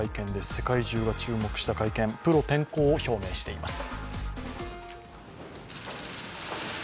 世界中が注目した会見、プロ転向を表明しています。